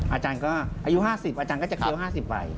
อาจารย์ก็อายุห้าสิบอาจารย์ก็จะเคี้ยวห้าสิบไป